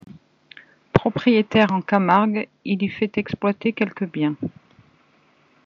Propriétaire en Camargue, il y fait exploiter quelques biens.